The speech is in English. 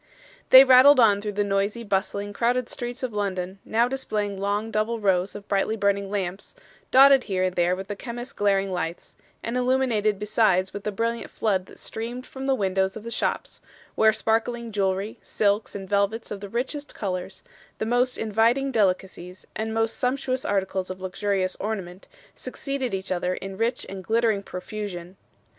They rattled on through the noisy, bustling, crowded street of London, now displaying long double rows of brightly burning lamps, dotted here and there with the chemists' glaring lights, and illuminated besides with the brilliant flood that streamed from the windows of the shops, where sparkling jewellery, silks and velvets of the richest colours, the most inviting delicacies, and most sumptuous articles of luxurious ornament, succeeded each other in rich and glittering profusion.